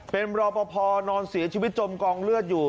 เป็นรอปภนอนเสียชีวิตจมกองเลือดอยู่